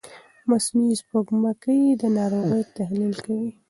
مصنوعي سپوږمکۍ د ناروغۍ تحلیل کوي.